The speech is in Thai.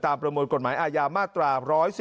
ประมวลกฎหมายอาญามาตรา๑๔